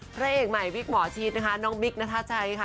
พระเอกใหม่ฟิกหมอชีทำง้องมิกนาทาชัยค่ะ